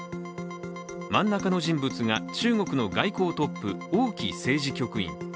真ん中の人物が中国の外交トップ王毅政治局員。